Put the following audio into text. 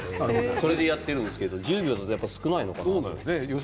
それでやってるんですけど１０秒って少ないのかな。